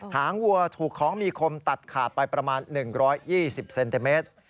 หางวัวถูกของมีคมตัดขาดไปประมาณ๑๒๐เซนติเมตร